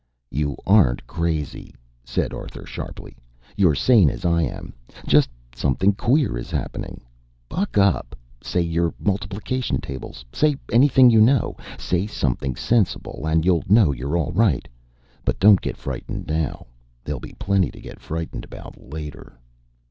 "You aren't crazy," said Arthur sharply. "You're sane as I am. Just something queer is happening. Buck up. Say your multiplication tables. Say anything you know. Say something sensible and you'll know you're all right. But don't get frightened now. There'll be plenty to get frightened about later."